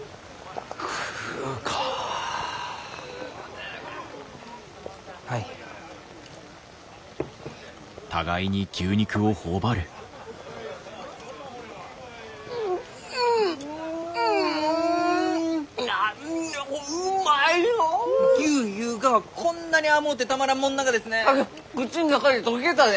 竹雄口の中で溶けたで！